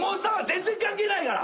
全然関係ないから。